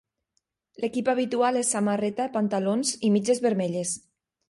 L'equip habitual és samarreta, pantalons i mitges vermelles.